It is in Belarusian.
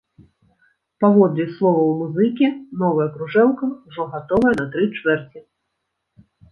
Паводле словаў музыкі, новая кружэлка ўжо гатовая на тры чвэрці.